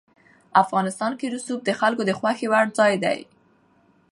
افغانستان کې رسوب د خلکو د خوښې وړ ځای دی.